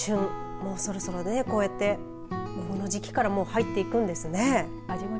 もうそろそろこうやってこの時期から入っていくんですね。